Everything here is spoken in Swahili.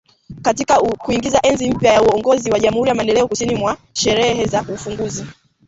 Katika kuingiza enzi mpya ya uongozi wa Jumuiya ya Maendeleo Kusini mwa Afrika sherehe za ufunguzi